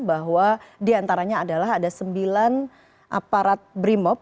bahwa diantaranya adalah ada sembilan aparat brimop